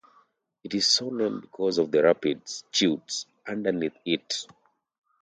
It is so named because of the rapids (chutes) underneath it.